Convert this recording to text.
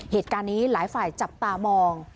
เหตุการณ์นี้หลายฝ่ายจับตามอง